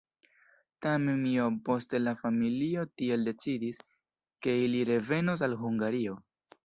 Tamen iom poste la familio tiel decidis, ke ili revenos al Hungario.